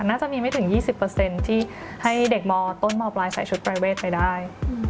น่าจะมีไม่ถึง๒๐ที่ให้เด็กมต้นมปลายใส่ชุดปรายเวทไปได้